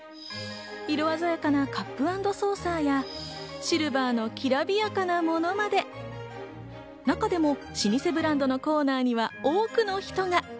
色鮮やかなカップ＆ソーサーや、シルバーのきらびやかなものまで、中でも老舗ブランドのコーナーには多くの人が。